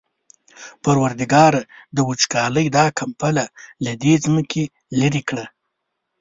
پروردګاره د وچکالۍ دا کمپله له دې ځمکې لېرې کړه.